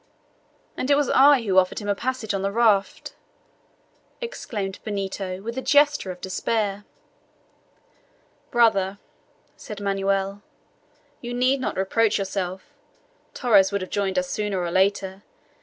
"And it was I who offered him a passage on the raft!" exclaimed Benito, with a gesture of despair. "Brother," said Manoel, "you need not reproach yourself. Torres would have joined us sooner or later.